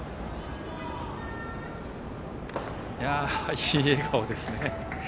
いい笑顔ですね。